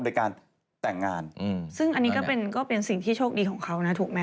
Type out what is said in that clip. โดยการแต่งงานซึ่งอันนี้ก็เป็นก็เป็นสิ่งที่โชคดีของเขานะถูกไหม